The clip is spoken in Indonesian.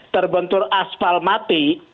terbentur aspal mati